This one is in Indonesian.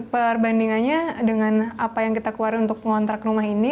perbandingannya dengan apa yang kita keluarin untuk ngontrak rumah ini